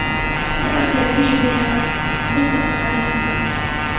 متل د عربي ژبې له مثل سره اړیکه لري